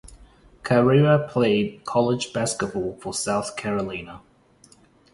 Carrera played college basketball for South Carolina.